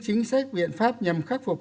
chính sách biện pháp nhằm khắc phục